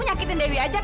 nyakitin dewi ajakan